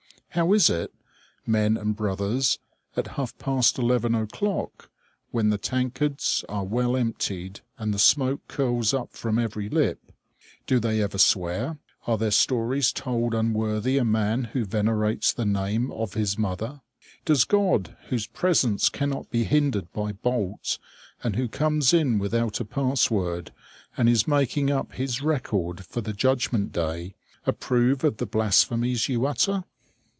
How is it, men and brothers, at half past eleven o'clock, when the tankards are well emptied, and the smoke curls up from every lip? Do they ever swear? Are there stories told unworthy a man who venerates the name of his mother? Does God, whose presence cannot be hindered by bolt, and who comes in without a pass word, and is making up His record for the judgment day, approve of the blasphemies you utter?